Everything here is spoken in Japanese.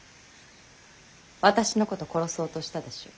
私のこと殺そうとしたでしょう。